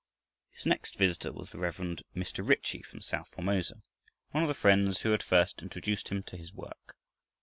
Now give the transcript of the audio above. His next visitor was the Rev. Mr. Ritchie from south Formosa, one of the friends who had first introduced him to his work.